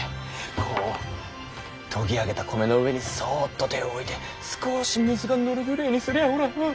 こうとぎ上げた米の上にそっと手を置いて少ぉし水が乗るぐれえにすりゃあほら